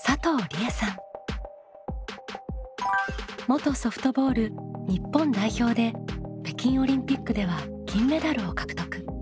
元ソフトボール日本代表で北京オリンピックでは金メダルを獲得。